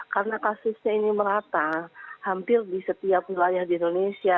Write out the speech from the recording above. karena kasusnya ini merata hampir di setiap wilayah di indonesia